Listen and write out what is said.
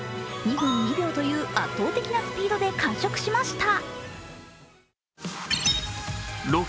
２分２秒という圧倒的なスピードで完食しました。